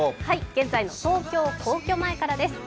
現在の東京・皇居前からです。